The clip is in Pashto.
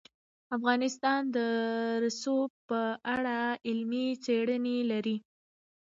افغانستان د رسوب په اړه علمي څېړنې لري.